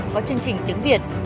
có chương trình tiếng việt